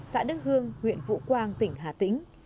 xã đức hương huyện vũ quang tỉnh hà tĩnh